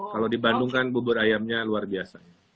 kalau di bandung kan bubur ayamnya luar biasa